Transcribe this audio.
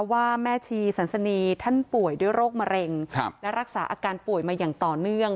ว่าแม่ชีสันสนีท่านป่วยด้วยโรคมะเร็งและรักษาอาการป่วยมาอย่างต่อเนื่อง